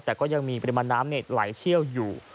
แต่ก็ยังมีปริมาณน้ำไหลเชี่ยวอยู่